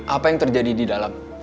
apa yang terjadi di dalam